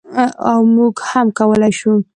او موږ هم کولی شو.